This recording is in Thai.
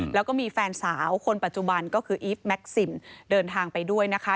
แล้วก็มีแฟนสาวคนปัจจุบันก็คืออีฟแม็กซิมเดินทางไปด้วยนะคะ